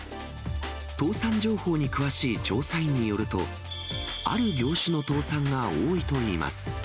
倒産情報に詳しい調査員によると、ある業種の倒産が多いといいます。